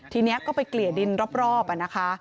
ทีนี้ก็ไปเกลี่ยดินรอบนะคะ